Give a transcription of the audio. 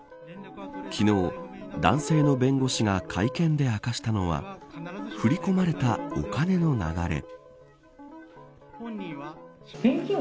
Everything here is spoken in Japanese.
昨日、男性の弁護士が会見で明かしたのは振り込まれたお金の流れ。